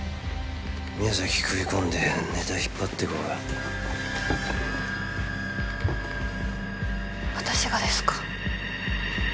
宮崎食い込んでネタ引っ張ってこい私がですか？